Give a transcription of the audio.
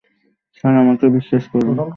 Sir, আমাকে বিশ্বাস করুন।